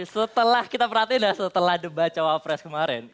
setelah kita perhatikan setelah deba cawa press kemarin